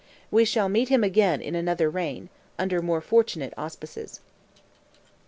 We shall meet him again in another reign, under more fortunate auspices.